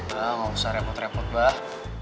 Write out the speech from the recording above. nah nggak usah repot repot lah